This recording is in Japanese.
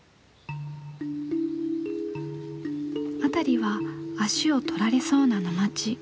辺りは足を取られそうな沼地。